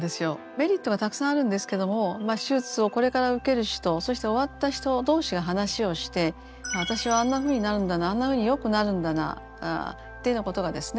メリットがたくさんあるんですけども手術をこれから受ける人そして終わった人同士が話をして私はあんなふうになるんだなあんなふうによくなるんだなっていうようなことがですね